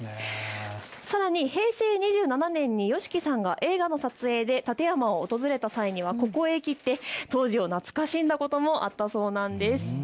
さらに平成２７年にＹＯＳＨＩＫＩさんが映画の撮影で館山を訪れた際にはここへ来て当時を懐かしんだこともあったそうなんです。